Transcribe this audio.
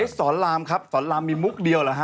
สอนรามครับสอนรามมีมุกเดียวเหรอฮ